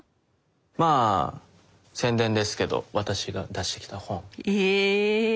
まぁ宣伝ですけど私が出してきた本。え？